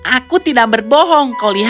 aku tidak berbohong